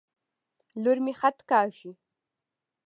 لور مي خط کاږي.